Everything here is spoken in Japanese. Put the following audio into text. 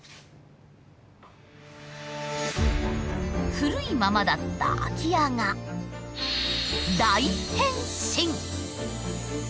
古いままだった空き家が大変身！